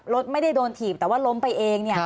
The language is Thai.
รถไม่ได้โดนถีบแต่ว่าล้มไปเอง